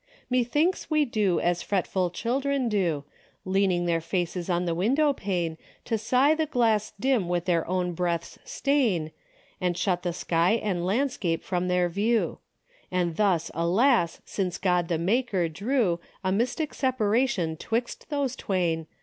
DAILY BATEA^ 213 " Methinks we do as fretful children do, Leaning their faces on the window pane To sigh the glass dim with their own breath's stain, And shut the sky and landscape from their view. And thus, alas ! since God, the Maker, drew A mystic separation 'twixt those twain.